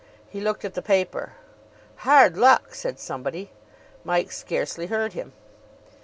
He looked at the paper. "Hard luck!" said somebody. Mike scarcely heard him.